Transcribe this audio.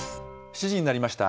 ７時になりました。